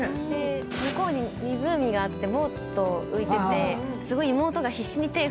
向こうに湖があってボート浮いててすごい妹が必死に手振ってて。